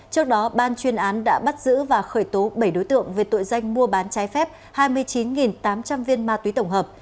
trước đó ban chuyên án đã bắt giữ và khởi tố bảy đối tượng về tội danh mua bán trái phép hai mươi chín tám trăm linh viên ma túy tổng hợp